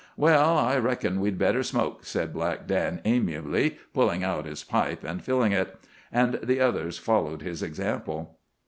"Well, I reckon we'd better smoke," said Black Dan amiably, pulling out his pipe and filling it. And the others followed his example.